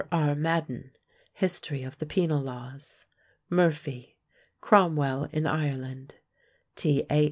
R. Madden: History of the Penal Laws; Murphy: Cromwell in Ireland; T.A.